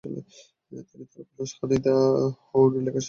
তিনি তার উপন্যাস হানি ইন দ্য হর্ন লেখা শেষ করেন।